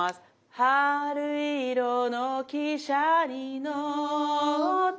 「春色の汽車に乗って海に」